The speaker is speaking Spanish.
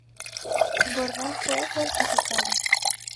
Borbón fue fortificado.